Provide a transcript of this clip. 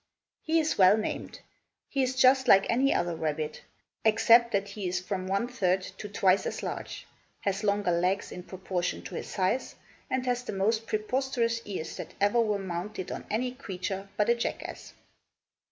He is well named. He is just like any other rabbit, except that he is from one third to twice as large, has longer legs in proportion to his size, and has the most preposterous ears that ever were mounted on any creature but a jackass.